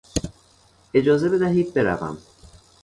اجازه بدهید بروم.